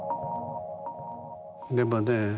でもね